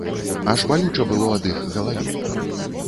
Аж балюча было ад іх галаве.